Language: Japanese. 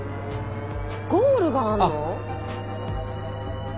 ゴールがあるの？